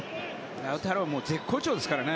ラウタロも絶好調ですからね。